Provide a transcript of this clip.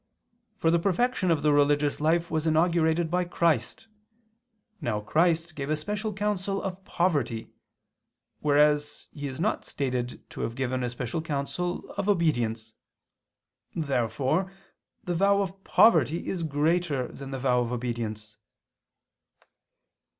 For the perfection of the religious life was inaugurated by Christ. Now Christ gave a special counsel of poverty; whereas He is not stated to have given a special counsel of obedience. Therefore the vow of poverty is greater than the vow of obedience.